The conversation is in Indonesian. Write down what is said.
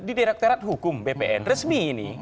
di direktorat hukum bpn resmi ini